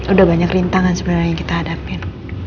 udah banyak rintangan sebenarnya yang kita hadapin